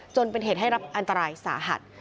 จนเป็นเหตุให้รับอันตรายสาหัส